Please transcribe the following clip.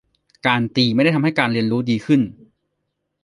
การตีไม่ได้ทำให้การเรียนรู้ดีขึ้น